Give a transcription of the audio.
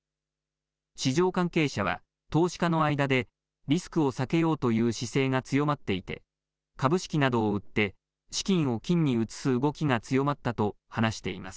市場関係者は、投資家の間でリスクを避けようという姿勢が強まっていて、株式などを売って資金を金に移す動きが強まったと話しています。